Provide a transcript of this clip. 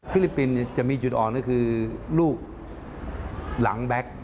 ลิปปินส์จะมีจุดอ่อนก็คือลูกหลังแบ็ค